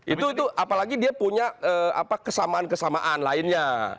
itu apalagi dia punya kesamaan kesamaan lainnya